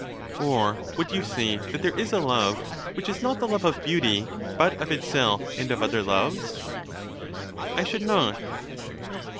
Or would you say that there is a love which is not the love of beauty, but of itself and of other loves? I should not.